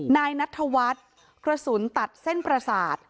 นายนัทธวัฒน์กระสุนตัดเส้นประสาท